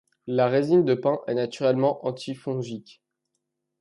La résine de pin est naturellement anti-fongique.